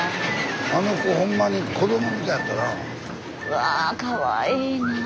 あの子ほんまに子どもみたいやったな。